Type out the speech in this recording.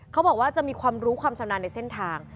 เขาบอกว่าจะมีความรู้ความชำนาญในเส้นทาง